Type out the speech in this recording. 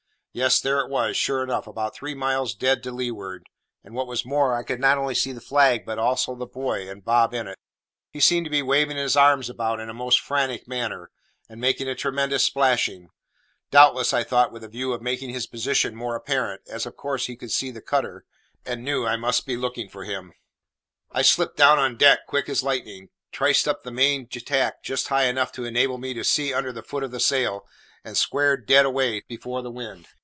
Yes, there it was, sure enough, about three miles dead to leeward; and what was more, I could not only see the flag, but also the buoy, and Bob in it. He seemed to be waving his arms about in a most frantic manner, and making a tremendous splashing, doubtless, I thought, with the view of making his position more apparent, as, of course, he could see the cutter, and knew I must be looking for him. I slipped down on deck, quick as lightning, triced up the main tack just high enough to enable me to see under the foot of the sail, and squared dead away before the wind.